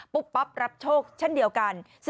ปั๊บรับโชคเช่นเดียวกัน